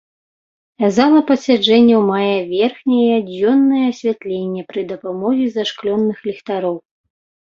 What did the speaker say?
Зала пасяджэнняў мае верхняе дзённае асвятленне пры дапамозе зашклёных ліхтароў.